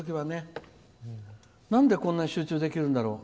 なんで、こんなに集中できるんだろう。